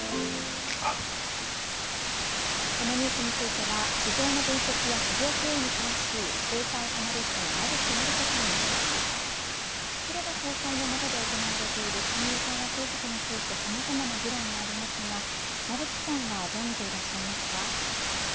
このニュースについては市場の分析や企業経営に詳しい経済アナリストの馬渕磨理子さんに伺います黒田総裁の下で行われている金融緩和政策についてさまざまな議論がありますが馬渕さんはどうみていますか。